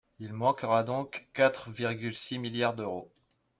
Il manquera donc quatre virgule six milliards d’euros.